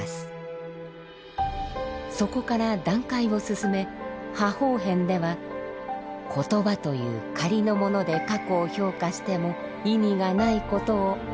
そこから段階を進め「破法遍」では言葉という仮のもので過去を評価しても意味がないことを了解します。